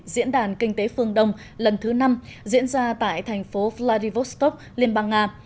diễn đàn kinh tế phương đông lần thứ năm diễn ra tại thành phố vladivostok liên bang nga